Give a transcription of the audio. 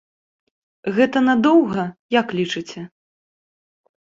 Гэта надоўга, як лічыце?